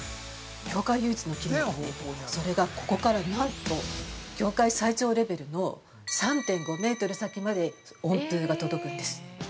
業界唯一の機能は、それがここからなんと、業界最長レベルの、３．５メートル先まで温風が届くんです。